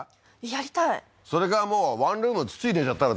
やりたいそれかもうワンルーム土入れちゃったら？